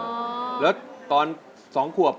ไม่เคยลืมคำคนลำลูกกา